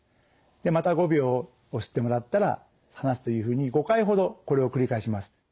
でまた５秒押してもらったら離すというふうに５回ほどこれを繰り返します。